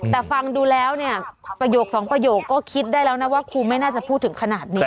แต่ฟังดูแล้วเนี่ยประโยคสองประโยคก็คิดได้แล้วนะว่าครูไม่น่าจะพูดถึงขนาดนี้